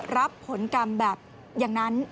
รับผลกรรมแบบอย่างนั้น